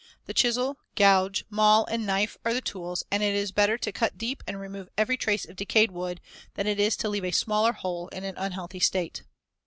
The chisel, gouge, mall and knife are the tools, and it is better to cut deep and remove every trace of decayed wood than it is to leave a smaller hole in an unhealthy state.